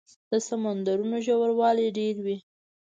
د سمندرونو ژوروالی ډېر وي.